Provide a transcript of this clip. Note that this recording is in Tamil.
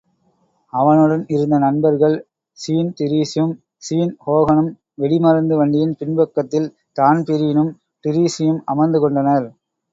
அவனுடன் இருந்த நண்பர்கள் ஸீன் டிரீஸியும், ஸீன் ஹோகனும் வெடிமருந்து வண்டியின் பின்பக்கத்தில் தான்பிரீனும், டிரீஸியும் அமர்ந்து கொண்டனர்.